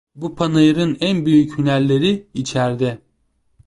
Bu panayırın en büyük hünerleri içerde.